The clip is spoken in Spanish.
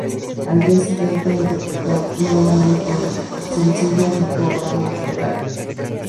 Al día siguiente interpretó nuevamente el sencillo en el programa "Today".